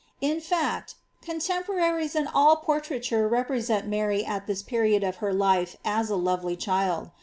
^' In fact, contemporaries and ail portraiture represent Mary al this period of her life as a lovely child.